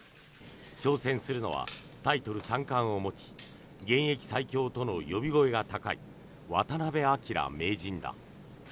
挑戦するのはタイトル三冠を持ち現役最強との呼び声高い渡辺明名人だ。